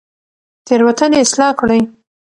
تېروتنې اصلاح کړئ.